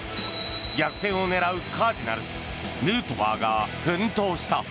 逆転を狙うカージナルスヌートバーが奮闘した。